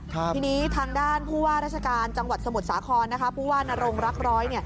ทีนี้ทางด้านผู้ว่าราชการจังหวัดสมุทรสาครนะคะผู้ว่านรงรักร้อย